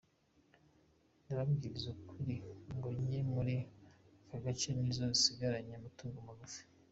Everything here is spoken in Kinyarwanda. Ndababwiza ukuri ingo nke muri aka gace nizo zisigaranye amatungo magufi.